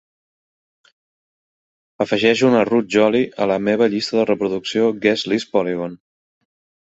Afegeix una Ruud Jolie a la meva llista de reproducció Guest List Polygon